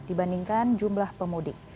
dibandingkan jumlah pemudik